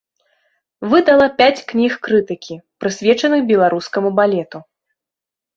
Выдала пяць кніг крытыкі, прысвечаных беларускаму балету.